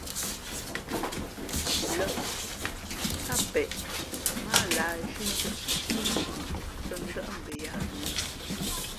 Lᾱ yáá peʼ mά á lǎh zhímbʉ̄ᾱ pí nkuʼni tα ndάʼ mbαyaā nu lᾱ.